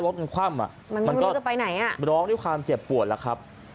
รถมันคว่ำอ่ะมันก็จะไปไหนอ่ะร้องด้วยความเจ็บปวดแล้วครับ